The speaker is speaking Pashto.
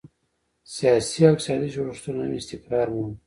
سیاسي او اقتصادي جوړښتونه هم استقرار مومي.